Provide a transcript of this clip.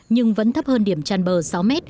nhưng vẫn thấp hơn điểm tràn bờ sáu m